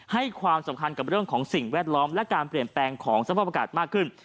ให้ความสำคัญกับเรื่องของสิ่งแวดล้อมและการเปลี่ยนแปลงของสภาพอากาศมากขึ้น